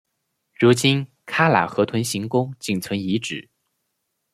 如今喀喇河屯行宫仅存遗址。